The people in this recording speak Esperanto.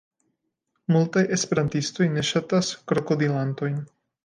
Multaj esperantistoj ne ŝatas krokodilantojn.